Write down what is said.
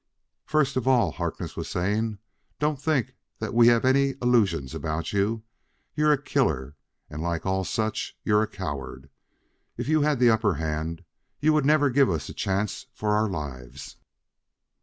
"First of all," Harkness was saying, "don't think that we have any illusions about you. You're a killer, and, like all such, you're a coward. If you had the upper hand, you would never give us a chance for our lives.